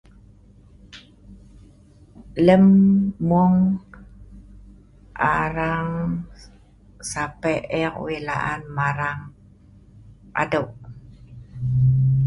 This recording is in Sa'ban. Lem mung, arang sape, ek wik laan marang aduk